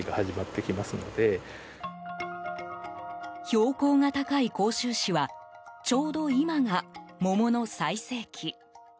標高が高い甲州市はちょうど今が桃の最盛期。